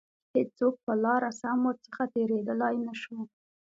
هیڅوک پر لاره سم ورڅخه تیریدلای نه شو.